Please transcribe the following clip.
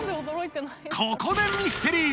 ここでミステリー